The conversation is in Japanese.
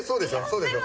そうでしょ。